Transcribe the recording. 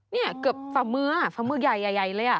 เนี่ยเกือบฝะเมื้อฝะเมื้อใหญ่เลย